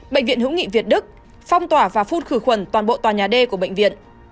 bệnh viện hữu nghị việt đức phong tỏa và phun khử khuẩn toàn bộ tòa nhà d của bệnh viện